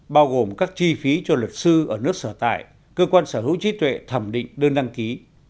bao gồm các chi phí cho luật sư ở nước sở tại cơ quan sở hữu trí tuệ thẩm định đơn đăng ký